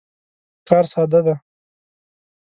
کار ساده دی.